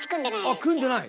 あっ組んでない！